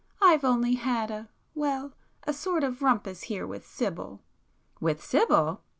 I've only had a,——well, a sort of rumpus here with Sibyl." "With Sibyl?"